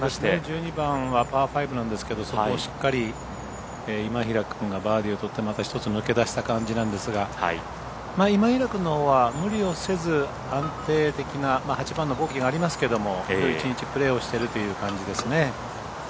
１２番はパー５なんですけどそこをしっかり今平君がバーディーをとってまた１つ抜け出した感じなんですが今平君のほうは無理をせず安定的な８番のボギーがありますけどきょう一日プレーをしているという感じですね。